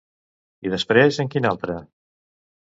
I després en quin altre?